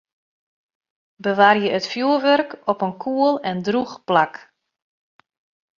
Bewarje it fjoerwurk op in koel en drûch plak.